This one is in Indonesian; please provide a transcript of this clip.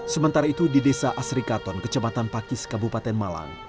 sementara itu di desa asrikaton kecamatan pakis kabupaten malang